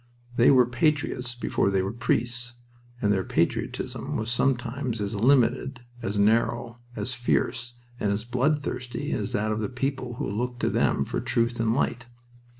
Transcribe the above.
They were patriots before they were priests, and their patriotism was sometimes as limited, as narrow, as fierce, and as bloodthirsty as that of the people who looked to them for truth and light.